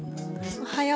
おはよう。